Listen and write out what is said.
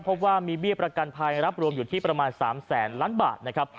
พบว่ามีเบี้ยประกันภัยรับรวมอยู่ที่ประมาณ๓แสนล้านบาทนะครับ